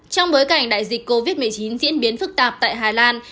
trong bối cảnh đại dịch covid một mươi chín diễn biến phức tạp tại hà lan